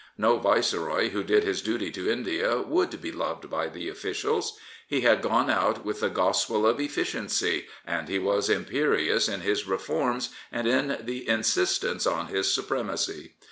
No Viceroy who did his duty to India would be loved by the officials. He had gone out with the gospel of " Efficiency/' and he was imperious in his reforms, and in the insistence on his supremacy.